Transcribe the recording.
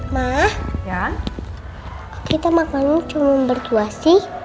mas kita makan cuma berdua sih